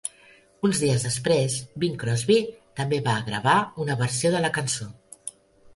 Uns dies després, Bing Crosby també va gravar una versió de la cançó.